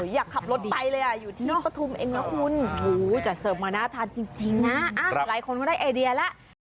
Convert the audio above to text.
อยากขับรถไปเลยอยู่ที่ปฐุมเองนะคุณจะเสิร์ฟมาน่าทานจริงนะหลายคนก็ได้ไอเดียแล้ว